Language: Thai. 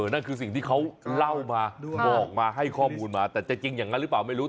นั่นคือสิ่งที่เขาเล่ามาบอกมาให้ข้อมูลมาแต่จะจริงอย่างนั้นหรือเปล่าไม่รู้